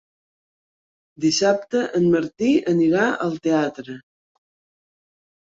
Dissabte en Martí anirà al teatre.